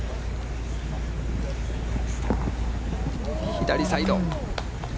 左サイド。